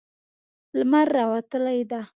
لمر راوتلی ده